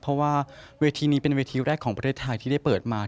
เพราะว่าเวทีนี้เป็นเวทีแรกของประเทศไทยที่ได้เปิดมา